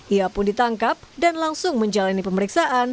ia pun ditangkap dan langsung menjalani pemeriksaan